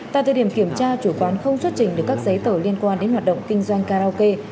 tại thời điểm kiểm tra chủ quán không xuất trình được các giấy tờ liên quan đến hoạt động kinh doanh karaoke